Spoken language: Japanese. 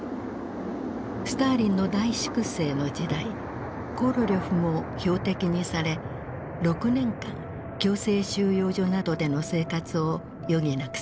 スターリンの大粛清の時代コロリョフも標的にされ６年間強制収容所などでの生活を余儀なくされた。